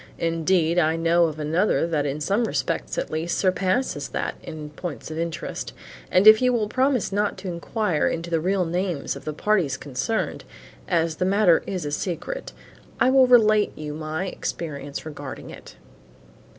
Indeed, I know of another that in some respects, at least, surpasses that in points of interest, and if you will promise not to inquire into the real names of the parties concerned, as the affair is a secret, I will relate you my experience regarding it."